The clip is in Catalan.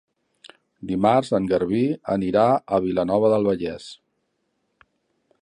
Dimarts en Garbí anirà a Vilanova del Vallès.